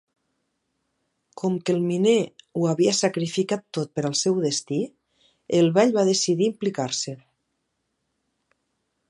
Com que el miner ho havia sacrificat tot per al seu destí, el vell va decidir implicar-s'hi.